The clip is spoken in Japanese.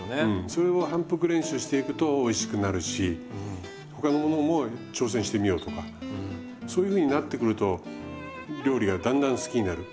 それを反復練習していくとおいしくなるし他のものも挑戦してみようとかそういうふうになってくると料理がだんだん好きになる。